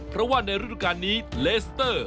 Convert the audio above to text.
เพราะว่าในฤดูการนี้เลสเตอร์